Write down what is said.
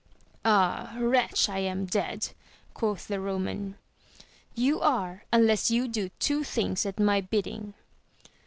Ah wretch I am dead, quoth the Eoman. — You are, unless you do two things at my bidding.